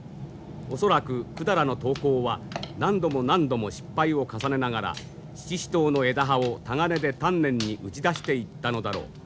恐らく百済の刀工は何度も何度も失敗を重ねながら七支刀の枝刃をタガネで丹念に打ち出していったのだろう。